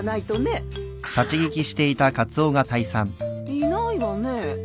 いないわね。